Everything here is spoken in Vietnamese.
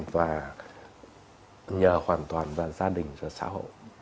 và nhờ hoàn toàn vào gia đình và xã hội